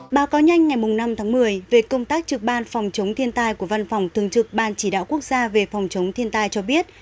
báo cáo nhanh ngày năm tháng một mươi về công tác trực ban phòng chống thiên tai của văn phòng thường trực ban chỉ đạo quốc gia về phòng chống thiên tai cho biết